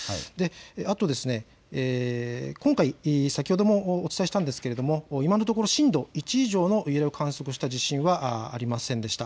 あと今回、先ほどもお伝えしたんですが今のところ震度１以上の揺れを観測した地震はありませんでした。